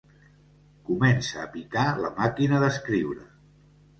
Comença a picar la màquina d'escriure.